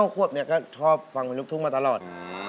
๕๖ปวดเนี่ยก็ชอบฟังเพลงลูกทุ่งมาตลอด